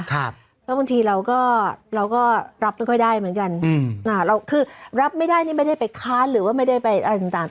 เพราะบางทีเราก็เราก็รับไม่ค่อยได้เหมือนกันเราคือรับไม่ได้นี่ไม่ได้ไปค้านหรือว่าไม่ได้ไปอะไรต่าง